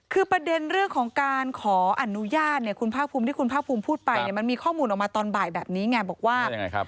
คือประเด็นเรื่องของการขออนุญาตเนี่ยคุณภาคภูมิที่คุณภาคภูมิพูดไปเนี่ยมันมีข้อมูลออกมาตอนบ่ายแบบนี้ไงบอกว่ายังไงครับ